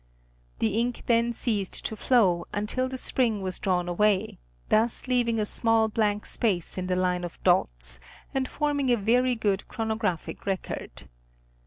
The ink then ceased to flow, until the spring was drawn away, thus leaving a small blank space in the line of dots and forming a very good chronographic record.